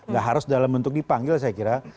nah harus dalam bentuk dipanggil saya kira